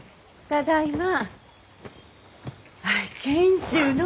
ただいま。